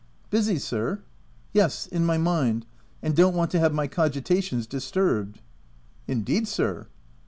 "Busy, sir?" " Yes, in my mind, and don't want to have my cogitations disturbed." " Indeed, sir